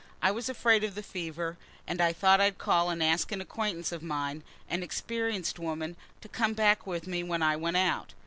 I was afraid of the fever, and I thought I'd call and ask an acquaintance of mine, an experienced woman, to come back with me when I went out.